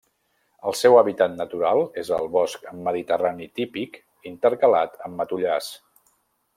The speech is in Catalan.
El seu hàbitat natural és el bosc mediterrani típic intercalat amb matollars.